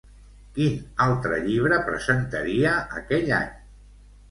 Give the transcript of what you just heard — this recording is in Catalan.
Quin altre llibre presentaria aquell any?